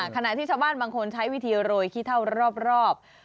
ขณะที่ชาวบ้านบางคนใช้วิธีโรยขี้เท่ารอบ